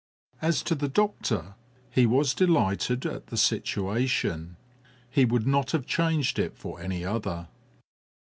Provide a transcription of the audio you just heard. As to the doctor, he was delighted at the situation. He would not have changed it for any other!